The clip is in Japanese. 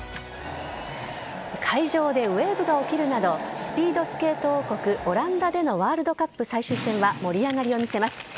会場でウエーブが起きるなど、スピードスケート王国オランダでのワールドカップ最終戦は盛り上がりを見せます。